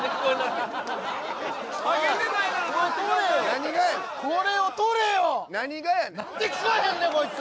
何がやねん何で聞こえへんねんこいつ！